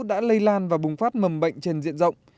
đã lây lan và bùng phát mầm bệnh trên diện rộng